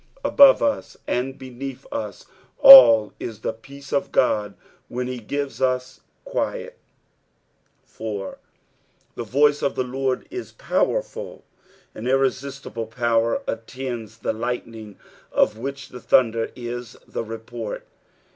Above ub and beneath us all is tne peace of Ood when be ^*ea us quiet. 4. " The toiee of tht Lord u powerful." An irreaiBtible power attends the lightning of which tbe thunder is the report.